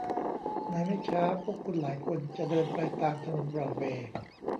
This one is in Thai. ในไม่ช้าพวกคุณหลายคนจะเดินไปตามถนนบรอดเวย์